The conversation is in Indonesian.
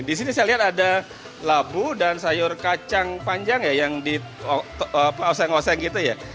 di sini saya lihat ada labu dan sayur kacang panjang ya yang di oseng oseng gitu ya